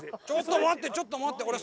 ちょっと待ってちょっと待って。